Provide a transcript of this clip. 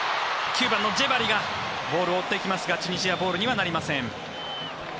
９番のジェバリがボールを追っていきますがチュニジアボールにはなりません。